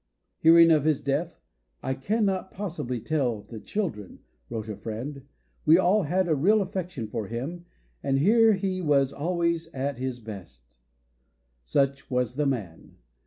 Hearing of his death, "/ cannot possibly tell the children" wrote a friend. "We all had a real affection for him, and here he was always at his best" Such was the man.